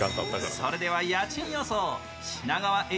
それでは家賃予想。